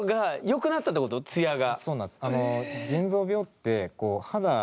そうなんです。